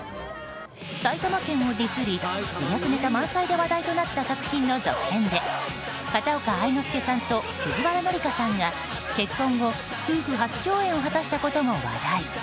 埼玉県をディスり自虐ネタ満載で話題となった作品の続編で片岡愛之助さんと藤原紀香さんが結婚後、夫婦初共演を果たしたことも話題。